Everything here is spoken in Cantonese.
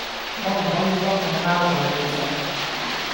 可唔可以幫我 𢯎 下背脊